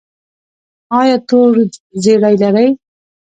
ایا تور زیړی لرئ؟